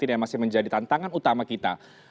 ini yang masih menjadi tantangan utama kita